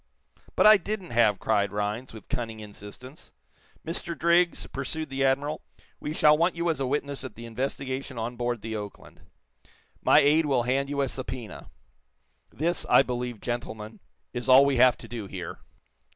"But I didn't have," cried Rhinds, with cunning insistence. "Mr. Driggs," pursued the admiral, "we shall want you as a witness at the investigation on board the 'Oakland.' My aide will hand you a subpoena. This, I believe, gentlemen, is all we have to do here."